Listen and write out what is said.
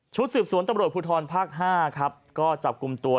สืบสวนตำรวจภูทรภาค๕ครับก็จับกลุ่มตัว